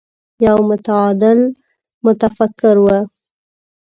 يو متعادل متفکر و.